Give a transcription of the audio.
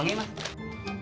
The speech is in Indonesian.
pengaruh ruangan juga